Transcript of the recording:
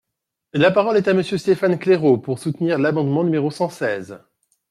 La parole est à Monsieur Stéphane Claireaux, pour soutenir l’amendement numéro cent seize.